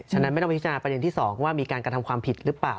ฉะนั้นไม่ต้องพิจารณาประเด็นที่๒ว่ามีการกระทำความผิดหรือเปล่า